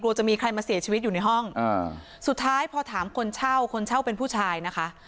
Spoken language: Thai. จะมีใครมาเสียชีวิตอยู่ในห้องอ่าสุดท้ายพอถามคนเช่าคนเช่าเป็นผู้ชายนะคะ